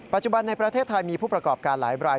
ปัจจุบันในประเทศไทยมีผู้ประกอบการหลายบราย